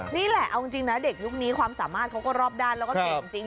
นี่แหละเอาจริงนะเด็กยุคนี้ความสามารถเขาก็รอบด้านแล้วก็เก่งจริง